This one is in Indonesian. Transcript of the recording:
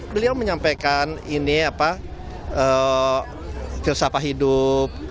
beliau menyampaikan ini apa filsafah hidup